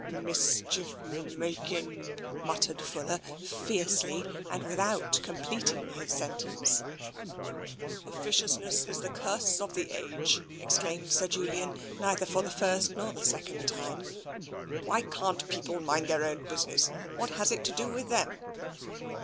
" Mischief making " muttered Fuller fiercely and without completing his sentence. 230 TENSION " Officiousness is the curse of the age !" exclaimed Sir Julian, neither for the first nor the second time. "Why can't people mind their own business? What has it to do with them?